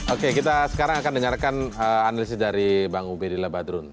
oke kita sekarang akan dengarkan analisis dari bang ubedillah badrun